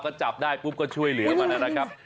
ก็จับได้ปุ๊บก็ช่วยเหลือมันนะครับ